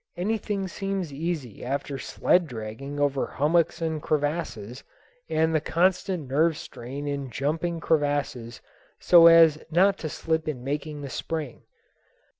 Anything seems easy after sled dragging over hummocks and crevasses, and the constant nerve strain in jumping crevasses so as not to slip in making the spring.